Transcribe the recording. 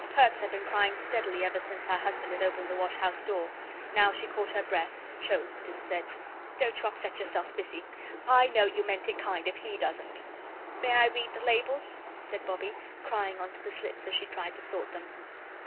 Perks had been crying steadily ever since her husband had opened the wash house door. Now she caught her breath, choked, and said: "Don't you upset yourself, Missy. I know you meant it kind if he doesn't." "May I read the labels?" said Bobbie, crying on to the slips as she tried to sort them.